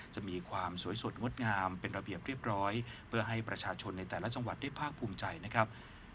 จะมีความสวยสดงดงามเป็นระเบียบเรียบร้อยเพื่อให้ประชาชนในแต่ละจังหวัดได้ภาคภูมิใจนะครับ